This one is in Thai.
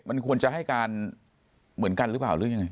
มันควรจะให้การเหมือนกันหรือเปล่าหรือยังไง